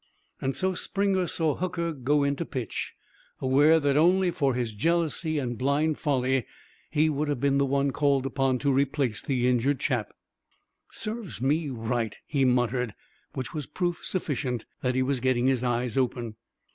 And so Springer saw Hooker go in to pitch, aware that only for his jealousy and blind folly he would have been the one called upon to replace the injured chap. "Serves me right," he muttered. Which was proof sufficient that he was getting his eyes open.